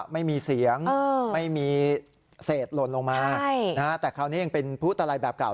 ไม่มีเสียงไม่มีเศษหล่นลงมาแต่คราวนี้ยังเป็นผู้ตลัยแบบเก่า